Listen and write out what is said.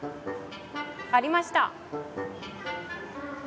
ありました！